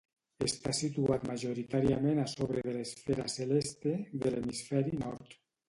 Està situat majoritàriament a sobre de l'esfera celeste de l'hemisferi nord.